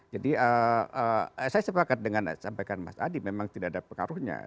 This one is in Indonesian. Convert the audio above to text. jadi saya sepakat dengan sampaikan mas adi memang tidak ada pengaruhnya